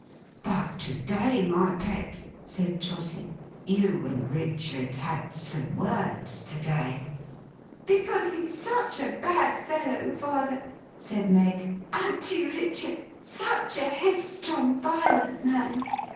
'But, to day, my pet,' said Trotty. 'You and Richard had some words to day.' 'Because he's such a bad fellow, father,' said Meg. 'An't you, Richard? Such a headstrong, violent man!